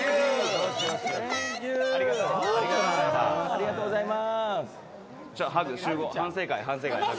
ありがとうございます！